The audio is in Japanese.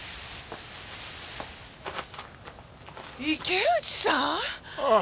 池内さん！？